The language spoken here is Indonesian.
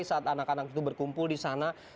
saat anak anak itu berkumpul di sana